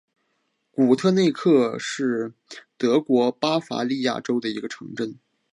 古特内克是德国巴伐利亚州的一个市镇。